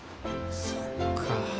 そっか。